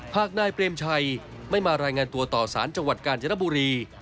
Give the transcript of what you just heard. หากนายเปรมชัยไม่มารายงานตัวต่อสารจังหวัดกาญจนบุรี